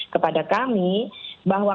kepada kami bahwa